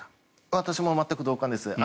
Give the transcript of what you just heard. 私も全く同感です。